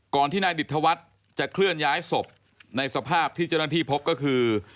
ที่นายดิตธวัฒน์จะเคลื่อนย้ายศพในสภาพที่เจ้าหน้าที่พบก็คือ